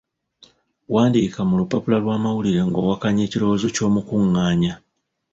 Wandiika mu lupapula lw’amawulire ng’owakanya ekirowoozo ky’omukunganya.